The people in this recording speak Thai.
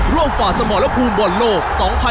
ร่วมฝ่าสมรพภูมิบนโลก๒๐๒๒